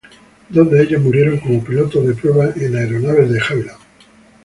Dos de ellos murieron como pilotos de pruebas en aeronaves de Havilland.